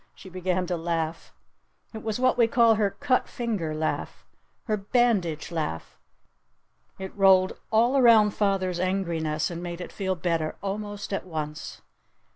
She began to laugh. It was what we call her cut finger laugh, her bandage laugh. It rolled all around father's angriness and made it feel better almost at once.